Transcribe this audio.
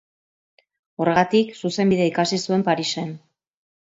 Horregatik, zuzenbidea ikasi zuen Parisen.